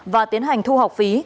và tiến hành thu học phí